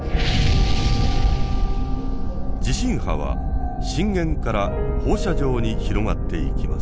地震波は震源から放射状に広がっていきます。